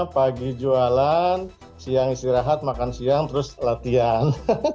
pagi jualan siang istirahat makan siang terus latihan